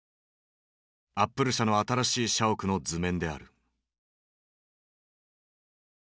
アップル社の新しい社屋の図面である。